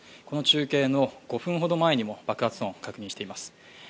この中継の５分ほど前にも爆発音、確認しています。